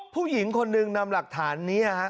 ผู้หญิงคนหนึ่งนำหลักฐานนี้